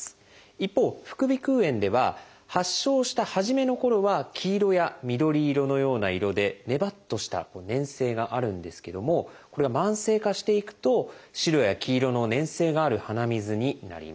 一方副鼻腔炎では発症した初めのころは黄色や緑色のような色でネバッとした粘性があるんですけどもこれが慢性化していくと白や黄色の粘性がある鼻水になります。